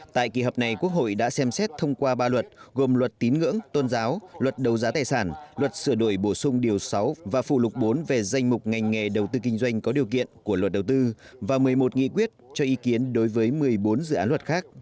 tại kỳ họp này quốc hội đã xem xét thông qua ba luật gồm luật tín ngưỡng tôn giáo luật đấu giá tài sản luật sửa đổi bổ sung điều sáu và phụ lục bốn về danh mục ngành nghề đầu tư kinh doanh có điều kiện của luật đầu tư và một mươi một nghị quyết cho ý kiến đối với một mươi bốn dự án luật khác